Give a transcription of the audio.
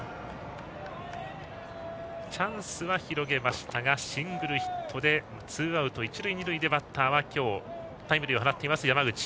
チャンスは広げましたがシングルヒットでツーアウト、一塁二塁でバッターは今日タイムリーを放っている山口。